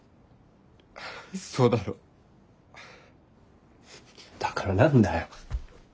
そうだろ？だから何だよ。